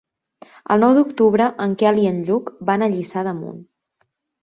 El nou d'octubre en Quel i en Lluc van a Lliçà d'Amunt.